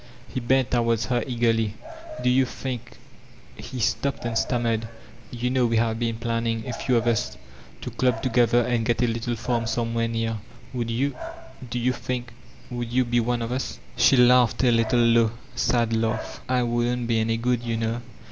He bent towards her eagerly: ''Do yon think— he stopped and stammered, "You know we have been plan ning, a few of us, to dub together and get a little farm somewhere near— would you— do you think— would you be one of ttt?*' She laughed, a little low, sad lai^: ''I wouldn't be any good, you know.